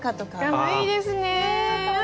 かわいいですね！